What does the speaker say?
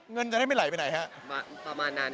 เงินจะได้ไม่ไหลไปไหนฮะประมาณนั้น